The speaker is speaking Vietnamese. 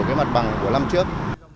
cái mặt bằng của năm trước